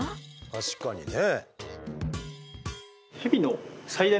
確かにね。